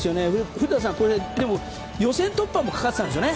古田さん、予選突破もかかってたんですよね。